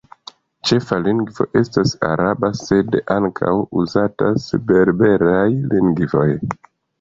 Ĉefa lingvo estas la araba, sed ankaŭ uzatas berberaj lingvoj.